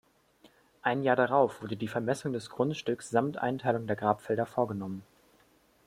Ein Jahr darauf wurde die Vermessung des Grundstücks samt Einteilung der Grabfelder vorgenommen.